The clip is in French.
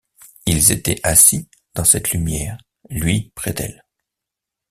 Ils étaient assis dans cette lumière, lui près d’elle.